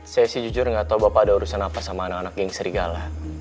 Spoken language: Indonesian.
saya sih jujur gak tahu bapak ada urusan apa sama anak anak yang serigala